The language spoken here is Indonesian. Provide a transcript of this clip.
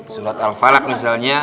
surat al falak misalnya